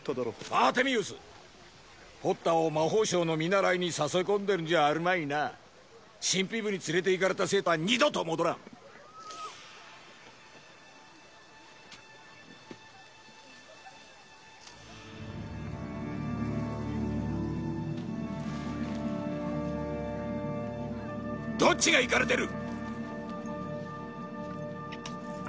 バーテミウスポッターを魔法省の見習いに誘い込んでるんじゃあるまいな神秘部に連れて行かれた生徒は二度と戻らんどっちがいかれてる！